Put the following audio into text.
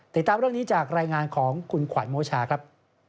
ติดตามเรื่องนี้จากรายงานของคุณขวัญโมชาครับ